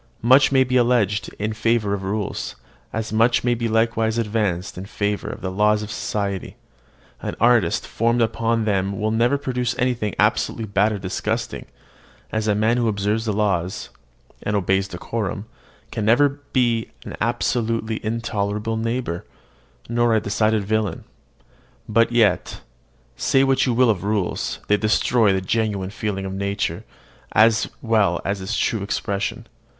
Much may be alleged in favour of rules, as much may be likewise advanced in favour of the laws of society: an artist formed upon them will never produce anything absolutely bad or disgusting; as a man who observes the laws, and obeys decorum, can never be an absolutely intolerable neighbour, nor a decided villain: but yet, say what you will of rules, they destroy the genuine feeling of nature, as well as its true expression.